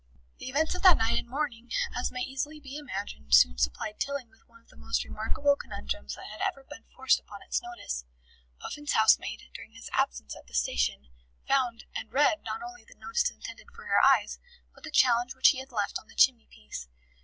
The events of that night and morning, as may easily be imagined, soon supplied Tilling with one of the most remarkable conundrums that had ever been forced upon its notice. Puffin's housemaid, during his absence at the station, found and read not only the notice intended for her eyes, but the challenge which he had left on the chimney piece.